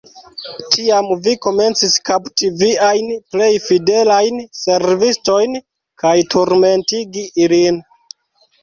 Tiam vi komencis kapti viajn plej fidelajn servistojn kaj turmentegi ilin.